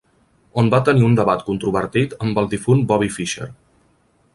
On va tenir un debat controvertit amb el difunt Bobby Fischer.